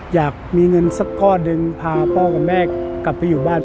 อยากมีเงินสักก้อนหนึ่งพาพ่อกับแม่กลับไปอยู่บ้าน